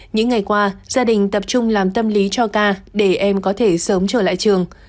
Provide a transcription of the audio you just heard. những ngày qua gia đình tập trung làm tâm lý cho ca để em có thể sớm trở lại trường